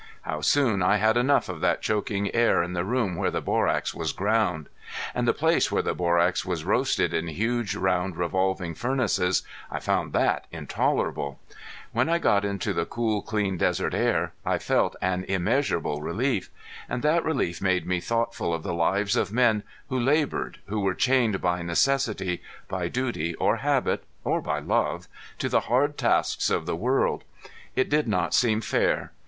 How soon I had enough of that choking air in the room where the borax was ground! And the place where the borax was roasted in huge round revolving furnaces I found that intolerable. When I got out into the cool clean desert air I felt an immeasurable relief. And that relief made me thoughtful of the lives of men who labored, who were chained by necessity, by duty or habit, or by love, to the hard tasks of the world. It did not seem fair.